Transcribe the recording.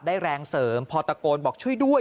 ได้แรงเสริมพอตกลบอกช่วยด้วย